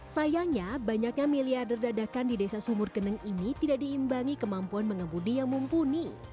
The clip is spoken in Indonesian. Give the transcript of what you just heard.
sayangnya banyaknya miliarder dadakan di desa sumur geneng ini tidak diimbangi kemampuan mengembudi yang mumpuni